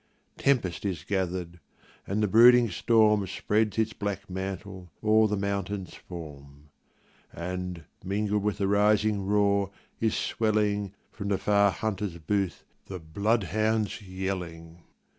Tempest is gatheríd, and the brooding storm Spreads its black mantle oíer the mountainís form; And, mingled with the rising roar, is swelling, From the far hunterís booth, the blood houndís yelling.